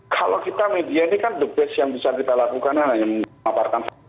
kalau kita media ini kan the best yang bisa kita lakukan hanya memaparkan